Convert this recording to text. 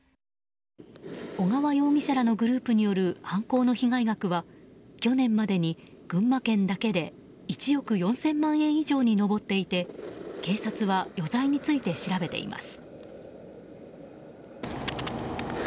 小川容疑者らのグループによる犯行の被害額は去年までに群馬県だけで１億４０００万円以上に上っていて警察は余罪について調べています。